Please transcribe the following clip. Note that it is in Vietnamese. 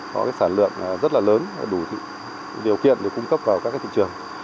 có sản lượng rất là lớn và đủ điều kiện để cung cấp vào các thị trường